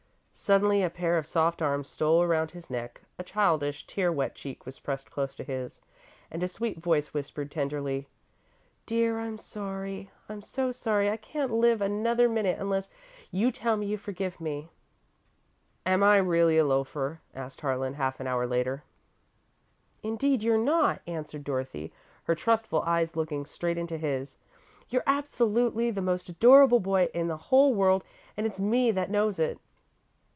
Suddenly, a pair of soft arms stole around his neck, a childish, tear wet cheek was pressed close to his, and a sweet voice whispered, tenderly: "Dear, I'm sorry! I'm so sorry I can't live another minute unless you tell me you forgive me!" "Am I really a loafer?" asked Harlan, half an hour later. "Indeed you're not," answered Dorothy, her trustful eyes looking straight into his; "you're absolutely the most adorable boy in the whole world, and it's me that knows it!"